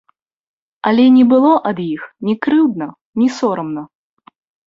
Але не было ад іх ні крыўдна, ні сорамна.